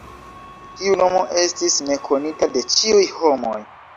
Tiu nomo estis nekonita de ĉiuj homoj.